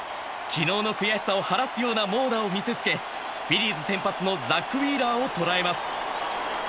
昨日の悔しさを晴らすような猛打を見せつけ、フィリーズ先発のザック・ウィーラーを捉えます。